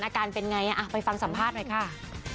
อาการเป็นอย่างไรอ่ะไปฟังสัมภาษณ์หน่อยค่ะ